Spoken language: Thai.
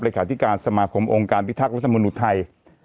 รายขาดิการสมาคมองค์การพิทักษ์ลูกธรรมนุษย์ไทย